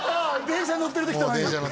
電車乗ってる時とかに？